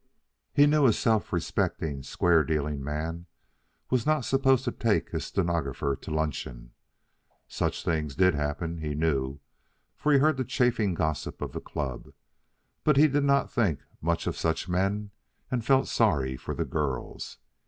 He knew a self respecting, square dealing man was not supposed to take his stenographer to luncheon. Such things did happen, he knew, for he heard the chaffing gossip of the club; but he did not think much of such men and felt sorry for the girls.